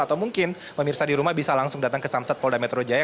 atau mungkin pemirsa di rumah bisa langsung datang ke samsat polda metro jaya